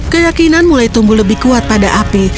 keyakinan mulai tumbuh lebih kuat pada api